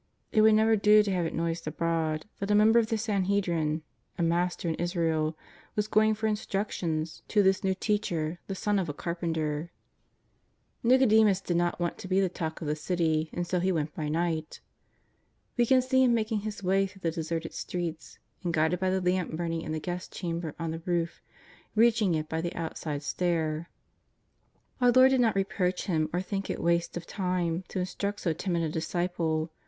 It would never do to have it noised abroad that a member of the Sanhedrin, " a master in Israel,"was going for instructions to this JESUS OF NAZARETH. 151 new Teacher, the Son of a carpenter. Nicodemus did not want to be the talk of the city, and so he went by night. We can see him making his way through the deserted streets, and guided by the lamp burning in the guest chamber on the roof, reaching it by the outside stair. Our Lord did not reproach him or think it waste of time to instruct so timid a disciple.